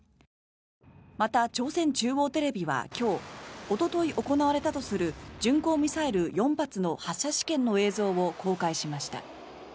また、朝鮮中央テレビは今日おととい行われたとする巡航ミサイル４発の発射試験の映像を公開しました。